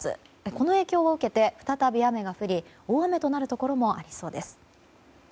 この影響を受けて、再び雨が降り大雨となるところもありそうです。